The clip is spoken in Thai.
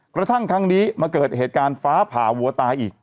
กระทั่งครั้งนี้มาเกิดเหตุการณ์ฟ้าผ่าวัวตายอีก